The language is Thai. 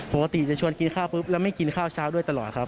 ปกติจะชวนกินข้าวปุ๊บแล้วไม่กินข้าวเช้าด้วยตลอดครับ